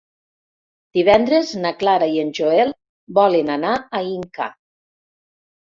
Divendres na Clara i en Joel volen anar a Inca.